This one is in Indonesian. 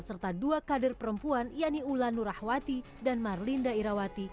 serta dua kader perempuan yani ulanurahwati dan marlinda irawati